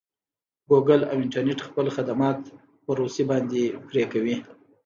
ګوګل او انټرنټ خپل خدمات په روسې باندې پري کوي.